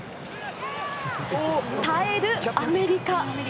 耐えるアメリカ。